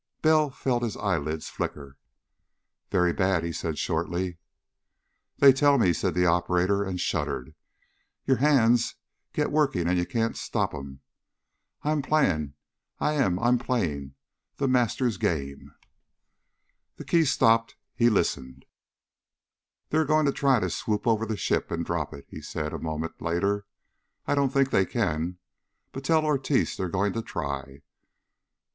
Bell felt his eyelids flicker. "Very bad," he said shortly. "They tell me," said the operator and shuddered, "your hands get working and you can't stop 'em.... I'm playing, I am! I'm playing The Master's game!" The key stopped. He listened. "They're going to try to swoop over the ship and drop it," he said a moment later. "I don't think they can. But tell Ortiz they're going to try."